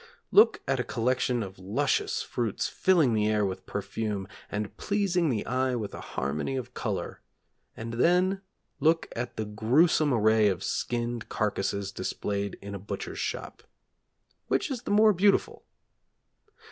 Look at a collection of luscious fruits filling the air with perfume, and pleasing the eye with a harmony of colour, and then look at the gruesome array of skinned carcasses displayed in a butcher's shop; which is the more beautiful?